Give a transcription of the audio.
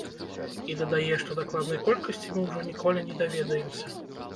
І дадае, што дакладнай колькасці мы ўжо ніколі не даведаемся.